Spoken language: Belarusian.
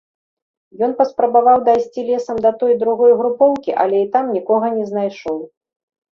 Ён паспрабаваў дайсці лесам да той другой групоўкі, але і там нікога не знайшоў.